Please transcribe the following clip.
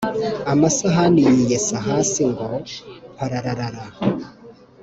Amasahani yiyesa hasi ngo prararara